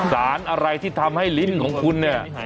สารอะไรที่ทำให้ลิ้นของคุณเนี่ย